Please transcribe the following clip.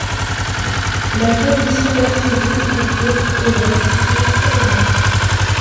La tradition l'attribue entre autres au roi d'Israël Salomon.